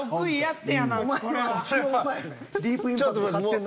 いや。